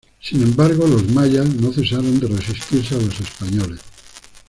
Sin embargo, los mayos no cesaron de resistirse a los españoles.